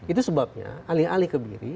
itu sebabnya alih alih kebiri